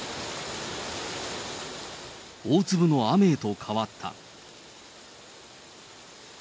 大粒の雨へと変わった。